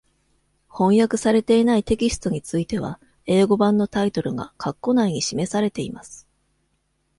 翻訳されていないテキストについては、英語版のタイトルが括弧内に示されています。